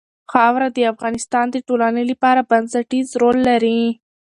خاوره د افغانستان د ټولنې لپاره بنسټيز رول لري.